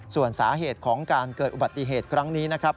ส่วนสาเหตุของการเกิดอุบัติเหตุครั้งนี้นะครับ